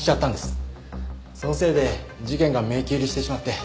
そのせいで事件が迷宮入りしてしまって。